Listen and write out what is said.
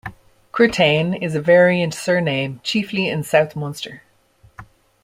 Curtayne is a variant surname chiefly in south Munster.